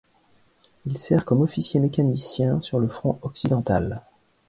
Il sert comme officier mécanicien sur le front occidental.